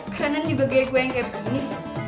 kerenan juga gaya gue yang kayak begini